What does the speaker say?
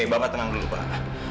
bapak tenang dulu pak